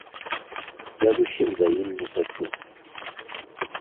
Я зусім за ім не сачу.